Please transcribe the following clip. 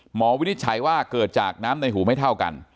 วินิจฉัยว่าเกิดจากน้ำในหูไม่เท่ากัน